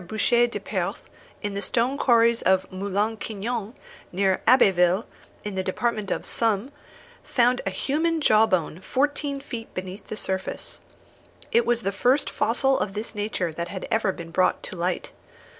Boucher de Perthes, in the stone quarries of Moulin Quignon, near Abbeville, in the department of Somme, found a human jawbone fourteen feet beneath the surface. It was the first fossil of this nature that had ever been brought to light.